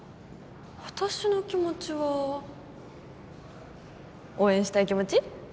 私の気持ちは応援したい気持ち？